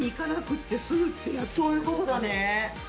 そういうことだね。